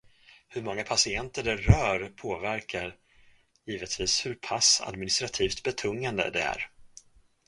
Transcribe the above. Hur många patienter det rör påverkar givetvis hur pass administrativt betungande det är.